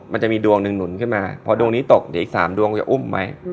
มันจะมีดวงหนึ่งหนุนขึ้นมาพอดวงนี้ตกเดี๋ยวอีก๓ดวงจะอุ้มไหม